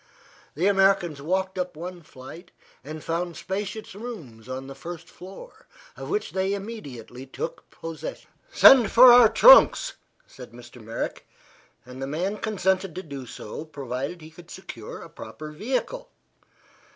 The Americans walked up one flight and found spacious rooms on the first floor, of which they immediately took possession. "Send for our trunks," said Mr. Merrick; and the man consented to do so provided he could secure a proper vehicle.